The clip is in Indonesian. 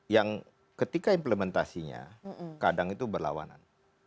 yang ketika implementasinya kadang itu berlawanan